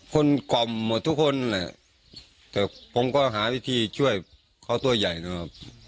กล่อมหมดทุกคนแหละแต่ผมก็หาวิธีช่วยเขาตัวใหญ่นะครับ